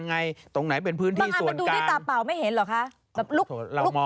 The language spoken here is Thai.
ผมไม่ได้เป็นตำรวจแบบ